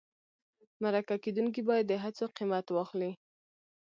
مرکه کېدونکی باید د هڅو قیمت واخلي.